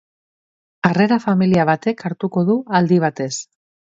Harrera familia batek hartuko du aldi batez.